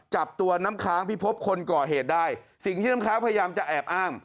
จับตัวน้ำค้างพิพบคนก่อเหตุได้สิ่งที่น้ำค้างพยายามจะแอบอ้าง